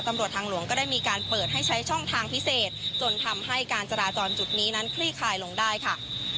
ตำรวจทางหลวงก็ได้มีการเปิดให้ใช้ช่องทางพิเศษจนทำให้การจราจรจุดนี้นั้นคลี่คลายลงได้ค่ะ